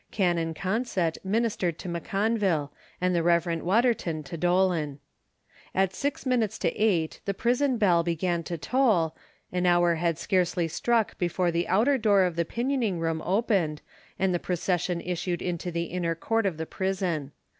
Canon Consett ministered to M'Conville, and the Rev. Waterton to Dolan. At 6 minutes to eight the prison bell began to toll, the hour had scarcely struck before the outer door of the pinioning room opened and the procession issued into the inner court of the prison.